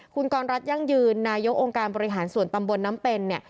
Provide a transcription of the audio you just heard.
คุณกรรัฐยั่งยืนนายกองค์การบริหารส่วนตำบลน้ำเป็นเนี่ย